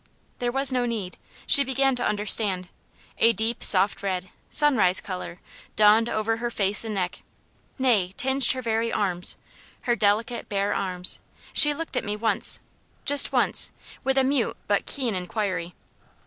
There was no need. She began to understand. A deep, soft red, sun rise colour, dawned all over her face and neck, nay, tinged her very arms her delicate, bare arms. She looked at me once just once with a mute but keen inquiry.